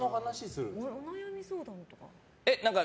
お悩み相談とか？